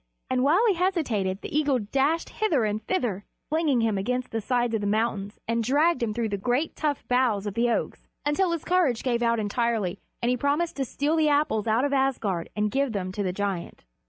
And while he hesitated the eagle dashed hither and thither, flinging him against the sides of the mountains and dragging him through the great tough boughs of the oaks until his courage gave out entirely, and he promised to steal the Apples out of Asgard and give them to the giant.